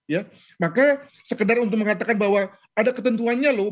ya maka sekedar untuk mengatakan bahwa ada ketentuannya loh